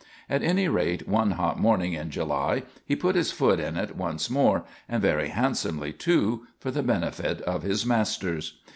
At any rate, one hot morning in July he put his foot in it once more, and very handsomely, too, for the benefit of his masters.